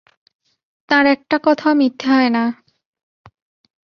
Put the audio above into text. তাঁর একটা কথাও মিথ্যে হয় না।